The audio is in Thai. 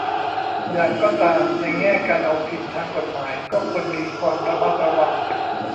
อย่างก็ตาม ในแง่การเอาผิดทางกฎหมายก็ควรมีความระมัดระวัง